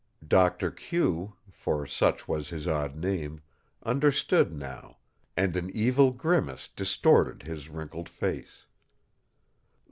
Doctor Q, for such was his odd name, understood now, and an evil grimace distorted his wrinkled face.